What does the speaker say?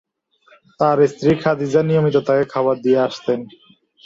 তার স্ত্রী খাদিজা নিয়মিত তাকে খাবার দিয়ে আসতেন।